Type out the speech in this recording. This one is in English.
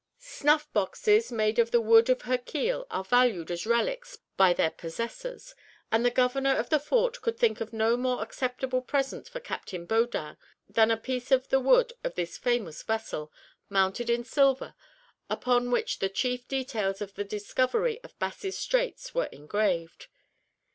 Snuff boxes made of the wood of her keel are valued as relics by their possessors; and the governor of the fort could think of no more acceptable present for Captain Baudin than a piece of the wood of this famous vessel, mounted in silver, upon which the chief details of the discovery of Bass's Straits were engraved.